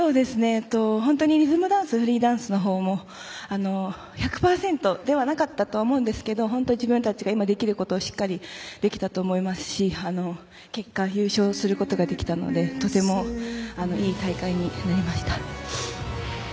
リズムダンスフリーダンスのほうも１００％ではなかったとは思うんですけど自分たちが今できることをしっかりできたと思いますし結果、優勝することができたのでとてもいい大会になりました。